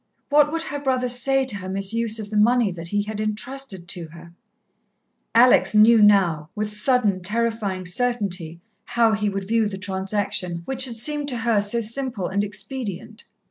What would her brother say to her misuse of the money that he had entrusted to her? Alex knew now, with sudden, terrifying certainty how he would view the transaction which had seemed to her so simple an expedient.